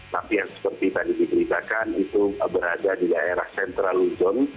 tapi yang seperti tadi diberitakan itu berada di daerah central luzon